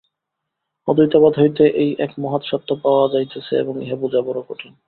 অদ্বৈতবাদ হইতে এই এক মহৎ সত্য পাওয়া যাইতেছে, এবং ইহা বুঝা বড় কঠিন।